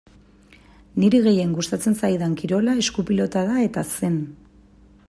Niri gehien gustatzen zaidan kirola esku-pilota da eta zen.